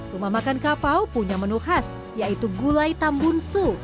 rumah makan kapau punya menu khas yaitu gulai tambunsu